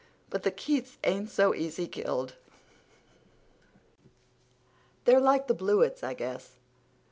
But the Keiths ain't so easy killed. They're like the Blewetts, I guess.